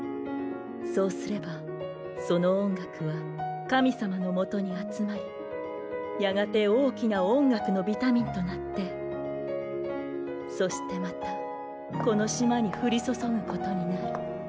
そうすればその音楽は神様のもとに集まりやがて大きな音楽のビタミンとなってそしてまたこの島に降り注ぐことになる。